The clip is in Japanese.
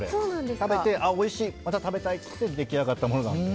食べておいしい、また食べたいで出来上がったものなので。